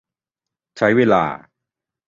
ใช้เวลา